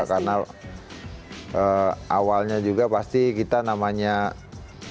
karena awalnya juga pasti kita namanya seorang atlet